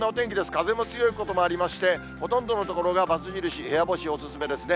風も強いこともありまして、ほとんどの所が×印、部屋干しお勧めですね。